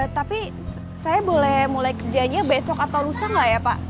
tapi saya boleh mulai kerjanya besok atau lusa gak ya pak